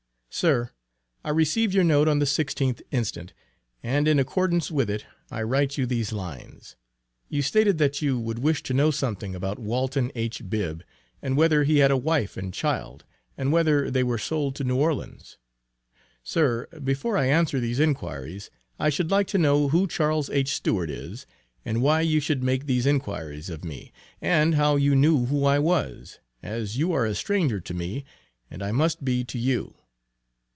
SIR. I received your note on the 16th inst., and in accordance with it I write you these lines. You stated that you would wish to know something about Walton H. Bibb, and whether he had a wife and child, and whether they were sold to New Orleans. Sir, before I answer these inquiries, I should like to know who Charles H. Stewart is, and why you should make these inquiries of me, and how you knew who I was, as you are a stranger to me and I must be to you.